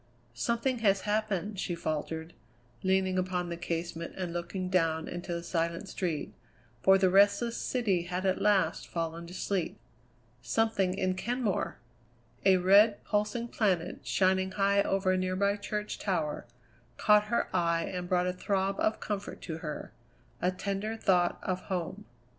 "Something has happened," she faltered, leaning upon the casement and looking down into the silent street, for the restless city had at last fallen to sleep. "Something in Kenmore!" A red, pulsing planet, shining high over a nearby church tower, caught her eye and brought a throb of comfort to her a tender thought of home.